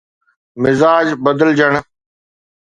مزاج بدلجڻ